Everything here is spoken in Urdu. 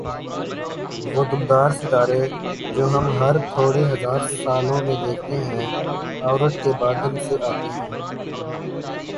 وہ دُمدار ستارے جو ہم ہر تھوڑے ہزار سالوں میں دیکھتے ہیں "اوٗرٹ کے بادل" سے آتے ہیں۔